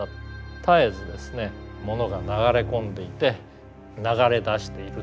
絶えずですね物が流れ込んでいて流れ出している。